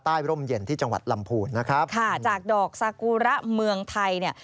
ร่มเย็นที่จังหวัดลำพูนนะครับค่ะจากดอกซากูระเมืองไทยเนี่ย